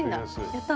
やった。